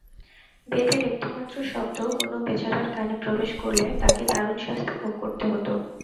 বেদের একটিমাত্র শব্দও কোন বেচারার কানে প্রবেশ করলে তাকে দারুণ শাস্তি ভোগ করতে হত।